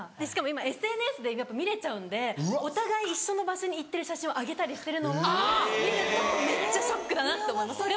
しかも今ＳＮＳで見れちゃうんでお互い一緒の場所に行ってる写真を上げたりしてるのを見るとめっちゃショックだなって思います。